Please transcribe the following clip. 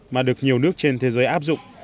mà được nhiều nước trên thế giới áp dụng